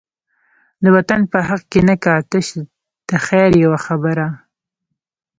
د وطن په حق کی نه کا، تش دخیر یوه خبره